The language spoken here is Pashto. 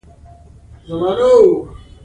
روڼتیا په مالي چارو کې مهمه ده.